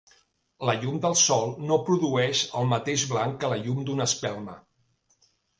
La llum del sol no produeix el mateix blanc que la llum d'una espelma.